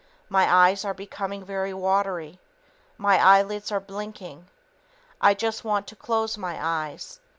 My eyes are becoming very watery ... My eyelids are blinking ... I just want to close my eyes